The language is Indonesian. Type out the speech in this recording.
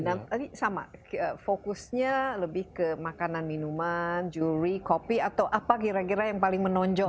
dan tadi sama fokusnya lebih ke makanan minuman juri kopi atau apa kira kira yang paling menonjol